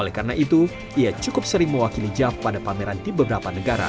oleh karena itu ia cukup sering mewakili jav pada pameran di beberapa negara